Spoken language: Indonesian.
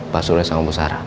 pas oleh sama bu sarah